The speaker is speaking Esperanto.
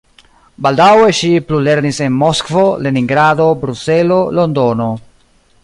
Baldaŭe ŝi plulernis en Moskvo, Leningrado, Bruselo, Londono.